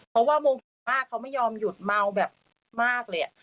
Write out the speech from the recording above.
เพราะว่าโมโหมากเขาไม่ยอมหยุดเมาแบบมากเลย